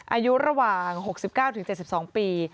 อายุระหว่าง๖๙๗๒ปี